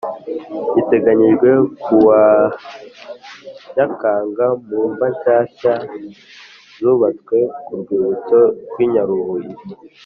giteganyijwe kuwa Nyakanga mu mva nshyashya zubatswe ku rwibutso rw i Nyarubuye